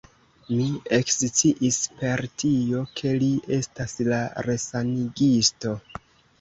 Mi eksciis per tio, ke li estas la resanigisto.